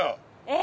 え！